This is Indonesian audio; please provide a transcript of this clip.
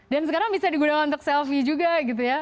sekarang bisa digunakan untuk selfie juga gitu ya